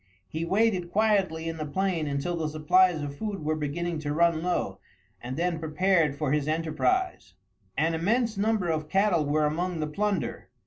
He waited quietly in the plain until the supplies of food were beginning to run low, and then prepared for his enterprise. An immense number of cattle were among the plunder.